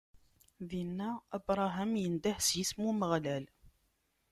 Dinna, Abṛaham indeh s yisem n Umeɣlal.